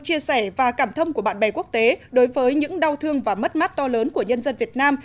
chia sẻ và cảm thâm của bạn bè quốc tế đối với những đau thương và mất mát to lớn của nhân dân việt nam